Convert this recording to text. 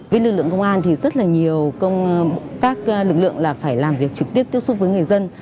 với lực lượng công an thì rất là nhiều các lực lượng là phải làm việc trực tiếp tiếp xúc với người dân